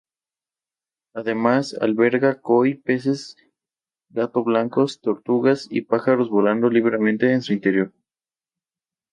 Además alberga koi, peces gato blancos, tortugas, y pájaros volando libremente en su interior.